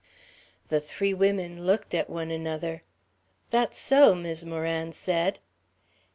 The three woman looked at one another. "That's so," Mis' Moran said.